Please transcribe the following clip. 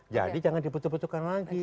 jadi jangan dibutuh butuhkan lagi